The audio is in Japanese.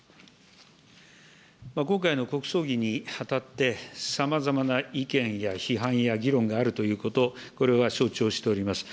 今回の国葬儀にあたって、さまざまな意見や批判や議論があるということ、これは承知をしております。